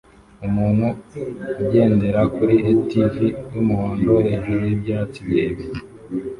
Umuntu ugendera kuri ATV yumuhondo hejuru yibyatsi birebire